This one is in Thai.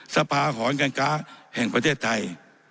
สภาหอนการค้าแห่งประเทศไทย